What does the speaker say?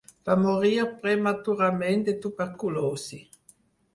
Va morir prematurament de tuberculosi.